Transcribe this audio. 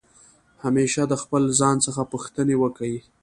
همېشه د خپل ځان څخه پوښتني وکئ!